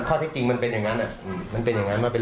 ข้อจริงมันเป็นอย่างนั้น